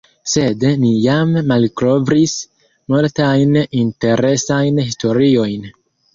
Sed ni jam malkovris multajn interesajn historiojn.